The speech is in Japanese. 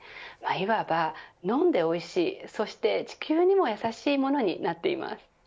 いわば、飲んでおいしいそして地球にもやさしいものになっています。